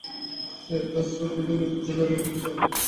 সে একটা আশ্রয় পাইলে, লোকের চোখের আড়াল হইতে পারিলে বাঁচে।